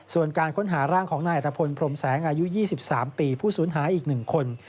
ส่วนการค้นหาร่างของนายอัตภพลพรมแสงอายุ๒๓ปีผู้สูญหายอีก๑คน